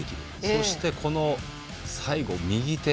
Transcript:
そして最後、右手。